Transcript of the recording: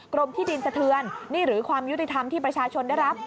กรมที่ดินสะเทือนนี่หรือความยุติธรรมที่ประชาชนได้รับ